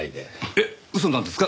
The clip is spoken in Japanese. えっ嘘なんですか？